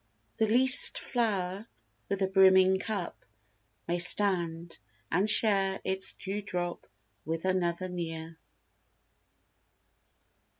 The least flower, with a brimming cup, may stand And share its dew drop with another near.